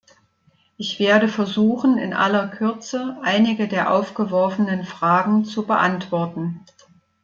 Ich werde versuchen, in aller Kürze einige der aufgeworfenen Fragen zu beantworten.